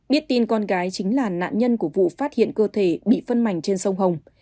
biết tin con gái chính là nạn nhân của vụ phát hiện cơ thể bị phân mảnh trên sông hồng